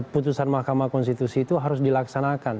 putusan mahkamah konstitusi itu harus dilaksanakan